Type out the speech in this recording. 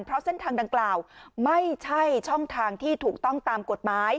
เพราะเส้นทางดังกล่าวไม่ใช่ช่องทางที่ถูกต้องตามกฎหมาย